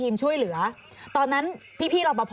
สามารถรู้ได้เลยเหรอคะ